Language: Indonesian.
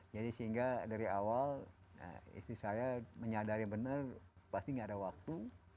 jadi sehingga dari awal istri saya menyadari benar pasti tidak ada waktu